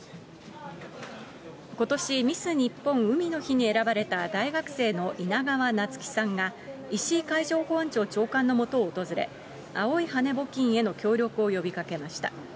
ことし、ミス日本海の日に選ばれた大学生のいながわなつきさんが、いしい海上保安庁長官のもとを訪れ、青い羽根募金への協力を呼びかけました。